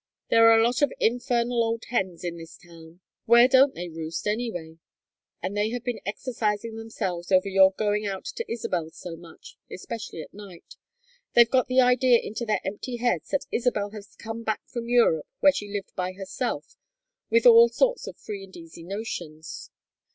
There are a lot of infernal old hens in this town where don't they roost, anyway? and they have been exercising themselves over your going out to Isabel's so much, especially at night. They've got the idea into their empty heads that Isabel has come back from Europe, where she lived by herself, with all sorts of free and easy notions.